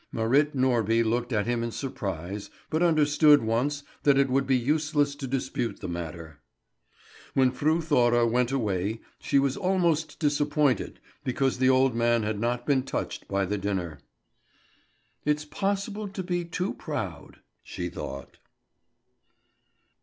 Marit Norby looked at him in surprise, but understood at once that it would be useless to dispute the matter. When Fru Thora went away she was almost disappointed because the old man had not been more touched by the dinner. "It's possible to be too proud," she thought.